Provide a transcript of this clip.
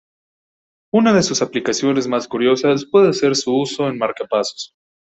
Una de sus aplicaciones más curiosas puede ser su uso en marcapasos.